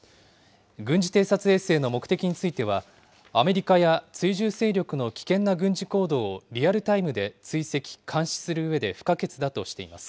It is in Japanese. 軍事偵察衛星の目的については、アメリカや追従勢力の危険な軍事行動をリアルタイムで追跡・監視するうえで不可欠だとしています。